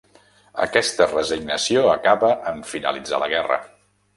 Aquesta resignació acaba en finalitzar la guerra.